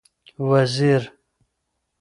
وزیر